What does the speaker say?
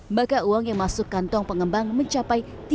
maka uang yang masuk kantong pengembang mencapai